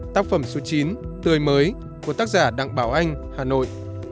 tác phẩm số chín tươi mới của tác giả đặng bảo anh hà nội